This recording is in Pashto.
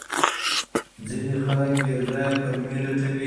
ځینې خلک بې ځایه پلمې لټوي.